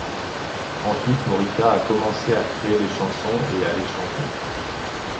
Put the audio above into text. Ensuite, Morita a commencé à créer des chansons et à les chanter.